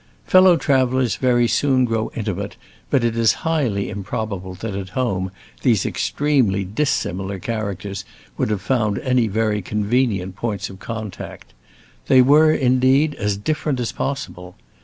Fellow travelers very soon grow intimate but it is highly improbable that at home these extremely dissimilar characters would have found any very convenient points of contact. They were, indeed, as different as possible.